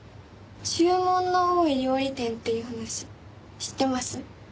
『注文の多い料理店』っていうお話知ってます？